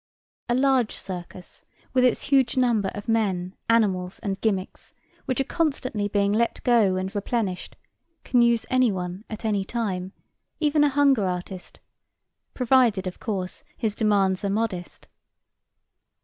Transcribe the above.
A large circus with its huge number of men, animals, and gimmicks, which are constantly being let go and replenished, can use anyone at any time, even a hunger artist, provided, of course, his demands are modest.